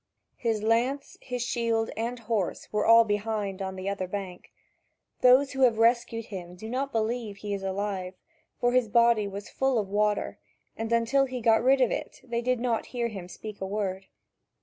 His lance, his shield, and horse were all behind on the other bank. Those who have rescued him do not believe he is alive. For his body was full of water, and until he got rid of it, they did not hear him speak a word.